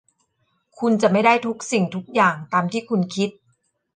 คุณจะไม่ได้ทุกสิ่งทุกอย่างตามที่คุณคิด